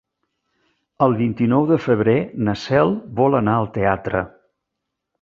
El vint-i-nou de febrer na Cel vol anar al teatre.